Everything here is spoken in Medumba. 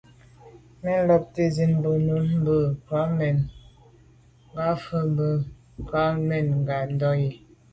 Mə́ làptə̀ zín bú nùúm mə́ krwàá’ mɛ̂n ngà fa’ bú gə̀ mə́ krwàá’ mɛ̂n ngà ndɔ́ gí.